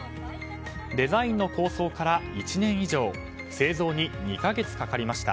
デザインの構想から１年以上製造に２か月かかりました。